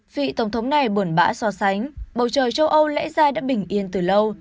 vị tổng thống này buồn bã so sánh bầu trời châu âu lẽ ra đã bình yên từ lâu